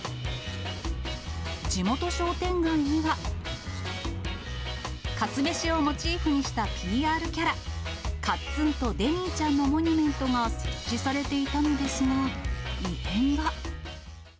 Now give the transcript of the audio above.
地元商店街には、かつめしをモチーフにしたＰＲキャラ、かっつんとデミーちゃんのモニュメントが設置されていたのですが、異変が。